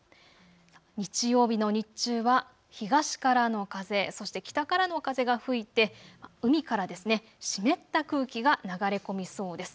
日曜日の日中は東からの風、そして北からの風が吹いて海から湿った空気が流れ込みそうです。